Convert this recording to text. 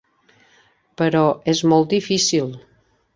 Però és molt difícil.